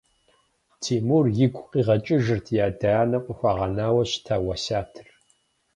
Тимур игу къигъэкӏыжырт и адэ-анэм къыхуагъэнауэ щыта уэсятыр.